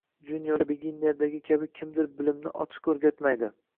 Juniorga beginnerdagi kabi kimdir bilimni ochiq o’rgatmaydi